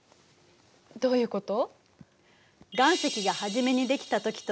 どういうこと？